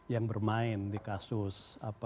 yang bermain di kasus